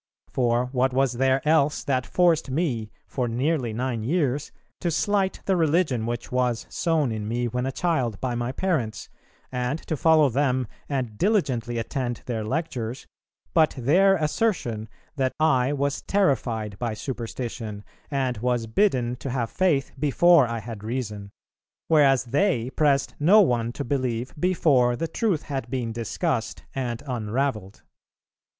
For what was there else that forced me, for nearly nine years, to slight the religion which was sown in me when a child by my parents, and to follow them and diligently attend their lectures, but their assertion that I was terrified by superstition, and was bidden to have Faith before I had Reason, whereas they pressed no one to believe before the truth had been discussed and unravelled?